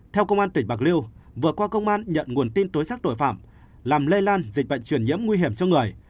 theo công an tỉnh bạc liêu vừa qua công an nhận nguồn tin tối xác tội phạm làm lây lan dịch bệnh truyền nhiễm nguy hiểm cho người